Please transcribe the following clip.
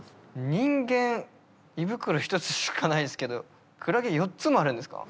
人間胃袋１つしかないですけどクラゲ４つもあるんですか？